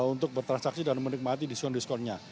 untuk bertransaksi dan menikmati diskon diskonnya